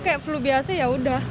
kayak flu biasa yaudah